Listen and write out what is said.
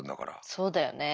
そうだよね。